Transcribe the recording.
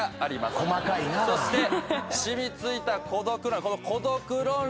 そして「染み付いた孤独論理、」